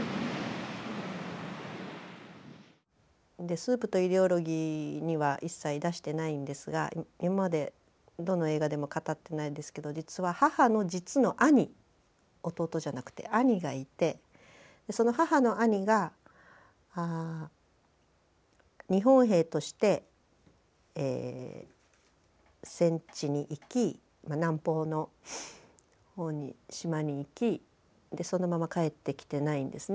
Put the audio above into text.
「スープとイデオロギー」には一切出してないんですが今までどの映画でも語ってないですけど実は母の実の兄弟じゃなくて兄がいてその母の兄が日本兵として戦地に行き南方の方に島に行きでそのまま帰ってきてないんですね。